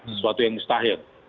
sesuatu yang mustahil